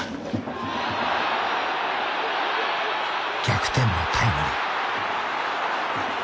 逆転のタイムリー。